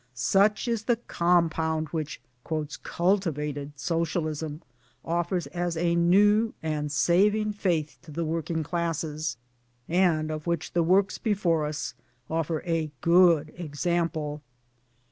. such is the com pound which * cultivated * Socialism offers as a new and saving faith to the working classes, and of which the works before us offer a good example."